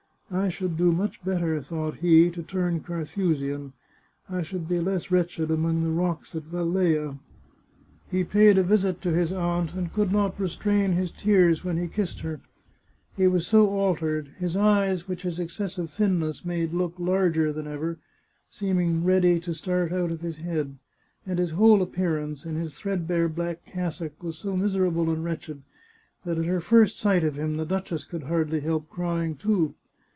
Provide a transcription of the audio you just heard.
" I should do much better," thought he, " to turn Carthusian. I should be less wretched among the rocks at Velleia." He paid a visit to his aunt, and could not restrain his tears when he kissed her. He was so altered, his eyes, which his excessive thinness made look larger than ever, seeming ready to start out of his head, and his whole appearance, in 492 The Chartreuse of Parma his threadbare black cassock, was so miserable and wretched, that at her first sight of him the duchess could hardly help crying too.